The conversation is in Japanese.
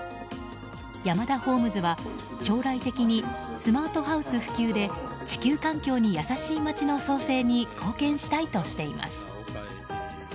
ヤマダホームズは、将来的にスマートハウス普及で地球環境に優しい街の創生に貢献したいとしています。